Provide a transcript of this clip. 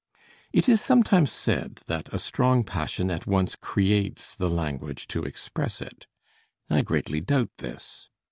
It is sometimes said that a strong passion at once creates the language to express it. I greatly doubt this.